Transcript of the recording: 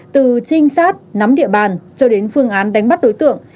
từ trinh sát nắm địa bàn cho đến phương án đánh bắt đối tượng